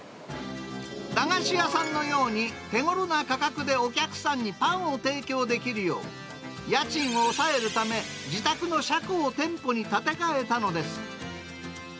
駄菓子屋さんのように、手ごろな価格でお客さんにパンを提供できるよう、家賃を抑えるため、自宅の車庫を店舗に建て替えたのです。